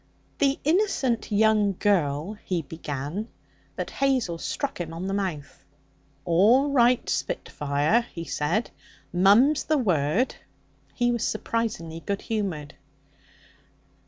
'The innocent young girl ' he began, but Hazel struck him on the mouth. 'All right, spitfire!' he said; 'mum's the word.' He was surprisingly good humoured.